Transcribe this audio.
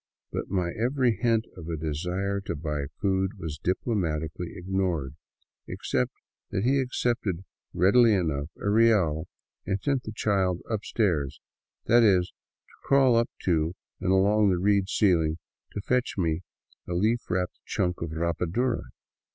But my every hint of a desire to buy food was diplo matically ignored, except that he accepted readily enough a real, and sent the child " upstairs "; that is, to crawl up to and along the reed ceiling, to fetch me a leaf wrapped chunk of rapadura.